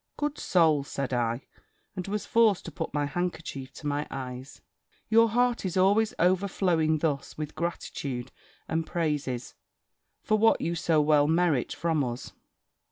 "Good soul!" said I, and was forced to put my handkerchief to my eyes: "your heart is always overflowing thus with gratitude and praises, for what you so well merit from us."